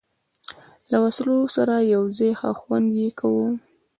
له وسلو سره یو ځای، ښه خوند یې کاوه.